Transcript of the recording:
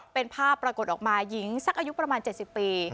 เป็นภาพปรากฏออกมาหญิงสักอายุประมาณ๗๐ปี